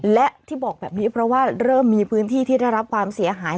และที่บอกแบบนี้เพราะว่าเริ่มมีพื้นที่ที่ได้รับความเสียหาย